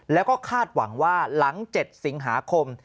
แล้วก็คาดหวังว่าหลัง๗สิงหาคม